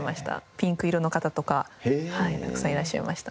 ピンク色の方とかたくさんいらっしゃいました。